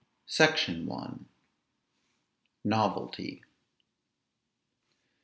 SECTION I. NOVELTY.